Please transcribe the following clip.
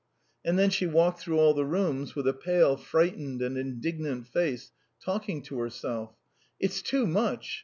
And then she walked through all the rooms, with a pale, frightened, and indignant face, talking to herself: "It's too much!